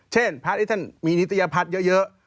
เช่นพระที่ท่านมีนิตยพัฒน์เยอะ